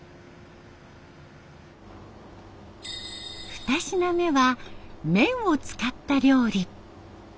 ふた品目は麺を使った料理。